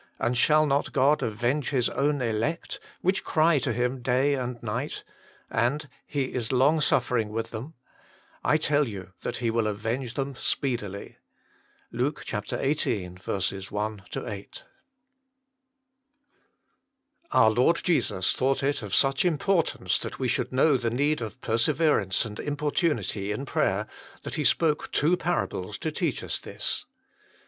And shall not God avenge His own elect, which cry to Him day and night, and He is long suffering with them ? I tell you that He will avenge them speedily." LUKE xviii. 1 8. Lord Jesus thought it of such importance that we should know the need of persever ance and importunity in prayer, that He spake two parables to teach us this.